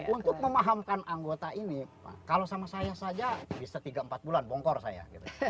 untuk memahamkan anggota ini kalau sama saya saja bisa tiga empat bulan bongkor saya